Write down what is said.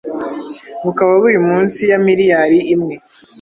bukaba buri munsi ya miliyari imwe.